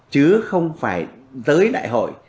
chứ không phải tới đại hội